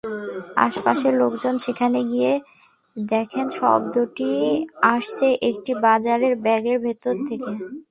আশপাশের লোকজন সেখানে গিয়ে দেখেন শব্দটি আসছে একটি বাজারের ব্যাগের ভেতর থেকে।